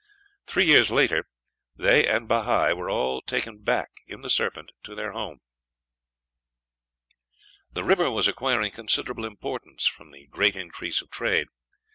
Three years later, they and Bahi were all taken back in the Serpent to their home. The river was acquiring considerable importance from the great increase of trade.